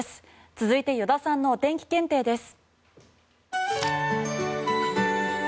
続いて依田さんのお天気検定です。